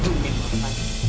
itu sama nek